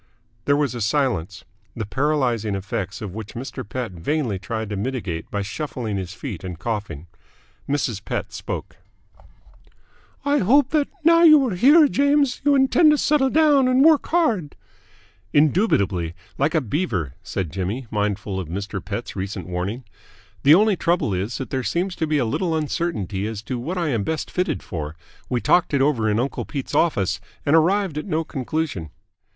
There was a silence, the paralysing effects of which Mr. Pett vainly tried to mitigate by shuffling his feet and coughing. Mrs. Pett spoke. "I hope that, now that you are here, James, you intend to settle down and work hard." "Indubitably. Like a beaver," said Jimmy, mindful of Mr. Pett's recent warning. "The only trouble is that there seems to be a little uncertainty as to what I am best fitted for. We talked it over in uncle Pete's office and arrived at no conclusion."